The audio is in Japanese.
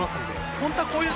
本当はこういう。